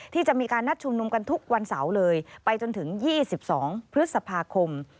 ที่จะมีการนัดชุมนุมกันทุกวันเสาร์เลยไปจนถึง๒๒พฤษภาคม